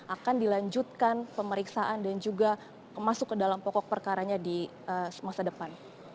akan dilanjutkan pemeriksaan dan juga masuk ke dalam pokok perkaranya di masa depan